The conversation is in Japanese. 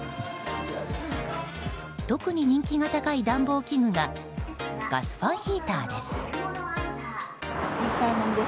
特に人気が高い暖房器具がガスファンヒーターです。